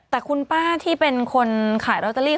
แต่คุณป้าที่เป็นคนขายลอตเตอรี่